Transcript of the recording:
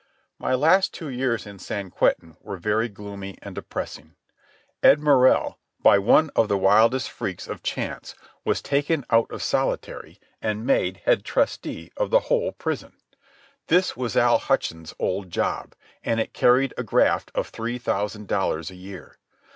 My last two years in San Quentin were very gloomy and depressing. Ed Morrell, by one of the wildest freaks of chance, was taken out of solitary and made head trusty of the whole prison. This was Al Hutchins' old job, and it carried a graft of three thousand dollars a year.